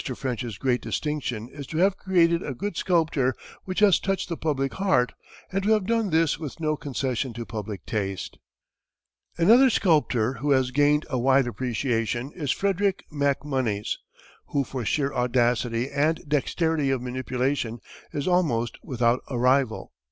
French's great distinction is to have created good sculpture which has touched the public heart, and to have done this with no concession to public taste. Another sculptor who has gained a wide appreciation is Frederick MacMonnies, who for sheer audacity and dexterity of manipulation is almost without a rival.